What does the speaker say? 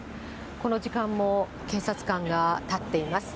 この時間も警察官が立っています。